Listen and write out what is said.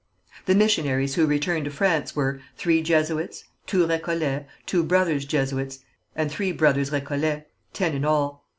The missionaries who returned to France were: Three Jesuits, two Récollets, two Brothers Jesuits and three Brothers Récollets, ten in all.